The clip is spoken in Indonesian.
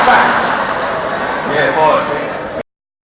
empat keadilan sosial bagi seluruh rakyat indonesia